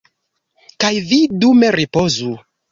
Kaj vi dume ripozu.